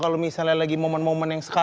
terus saya ada ya bik domain sma